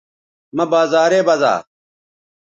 مہ بازارے بزا